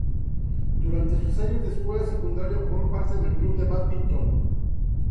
Durante sus años de escuela secundaria formó parte del club de bádminton.